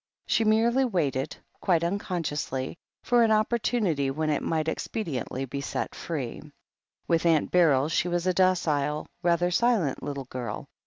§he merely waited, quite unconsciously, for an opportimity when it might expediently be set free. With Aunt Beryl she was a docile, rather silent little girl.